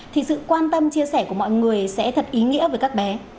thì sự quan tâm chia sẻ của mọi người sẽ thật ý nghĩa với các bé